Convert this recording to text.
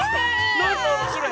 なんなのそれ？